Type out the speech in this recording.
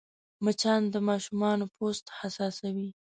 مچان د ماشومانو پوست حساسوې